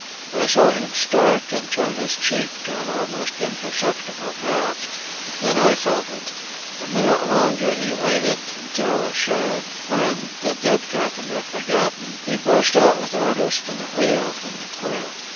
I saw him start and turn his cheek to the almost imperceptible draught. Then I felt it. A minute longer he waited, until assured, when, the dead carpenter forgotten, he burst out with orders to the wheel and the crew.